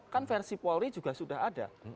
kan versi polri juga sudah ada